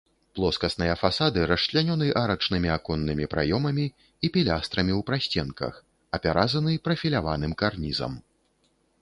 Плоскасныя фасады расчлянёны арачнымі аконнымі праёмамі і пілястрамі ў прасценках, апяразаны прафіляваным карнізам.